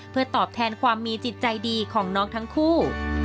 เพื่อตอบแทนความมีจิตใจดีของน้องทั้งคู่